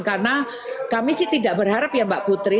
karena kami sih tidak berharap ya mbak putri